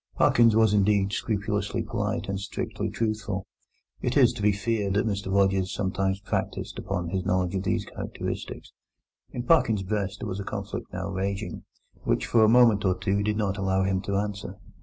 Parkins was, indeed, scrupulously polite and strictly truthful. It is to be feared that Mr Rogers sometimes practised upon his knowledge of these characteristics. In Parkins's breast there was a conflict now raging, which for a moment or two did not allow him to answer.